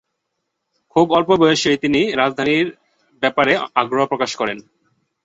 খুব অল্প বয়সেই তিনি রাজনীতির ব্যাপারে আগ্রহ প্রকাশ করেন।